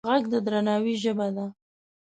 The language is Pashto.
غږ د درناوي ژبه ده